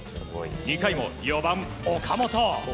２回も４番、岡本。